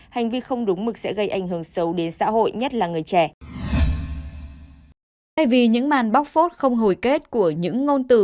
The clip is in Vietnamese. hành vi không đúng mực sẽ gây ảnh hưởng xấu đến xã hội nhất là người trẻ